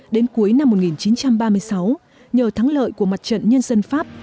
đến cuối năm một nghìn chín trăm ba mươi sáu nhờ thắng lợi của mặt trận nhân dân pháp